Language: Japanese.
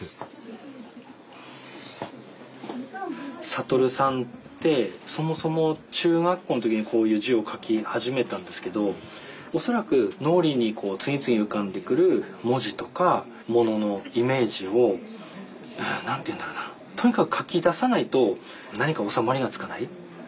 覚さんってそもそも中学校の時にこういう字を書き始めたんですけど恐らく脳裏にこう次々浮かんでくる文字とかもののイメージを何て言うんだろうなとにかく書き出さないと何か収まりがつかない。